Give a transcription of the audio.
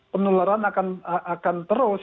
penularan akan akan terus